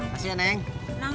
masih ya neng